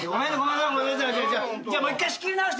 じゃあもう１回仕切り直して。